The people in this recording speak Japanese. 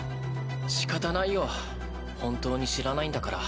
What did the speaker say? しかたないよ本当に知らないんだから。